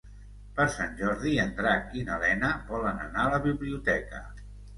Per Sant Jordi en Drac i na Lena volen anar a la biblioteca.